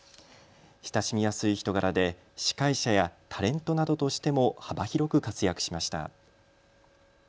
親しみやすい人柄で司会者やタレントなどとしても幅広く活躍しました。